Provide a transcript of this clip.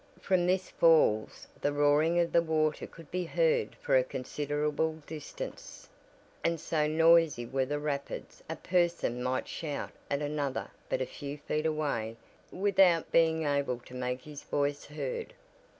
From this falls the roaring of the water could be heard for a considerable distance, and so noisy were the rapids a person might shout at another but a few feet away without being able to make his voice heard.